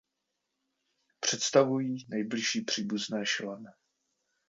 Představují nejbližší příbuzné šelem.